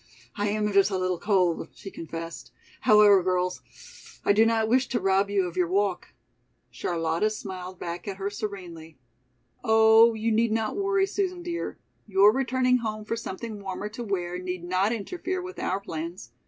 "I am just a little cold," she confessed, "however, girls, I do not wish to rob you of your walk." Charlotta smiled back at her serenely. "Oh, you need not worry, Susan dear! Your returning home for something warmer to wear need not interfere with our plans.